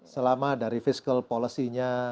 selama dari fiscal policy nya